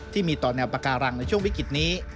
ที่มีต่อแนวปาการังในช่วงวิกฤตนี้